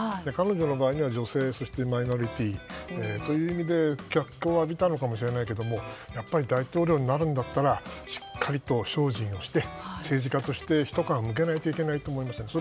彼女の場合は女性そしてマイノリティーという意味で脚光を浴びたのかもしれないけど大統領になるんだったらしっかりと精進をして政治家としてひと皮剥けないといけないと思います。